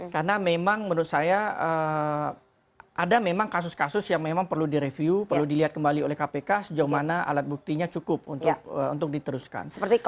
karena memang menurut saya ada memang kasus kasus yang memang perlu direview perlu dilihat kembali oleh kpk sejauh mana alat buktinya cukup untuk diteruskan